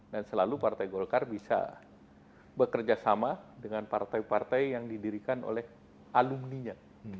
dan selalu partai golkar bisa bekerja sama dengan partai partai yang didirikan oleh alumninya